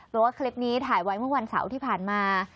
เพราะว่าคลิปนี้ถ่ายไว้เมื่อวันเสาร์ที่ผ่านมา